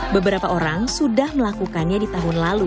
beberapa orang sudah melakukannya di tahun lalu